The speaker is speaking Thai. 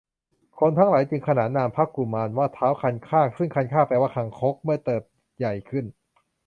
คนทั้งหลายจึงขนานนามพระกุมารว่า ท้าวคันคาก ซึ่งคันคาก แปลว่าคางคก เมื่อเติบใหญ่ขึ้น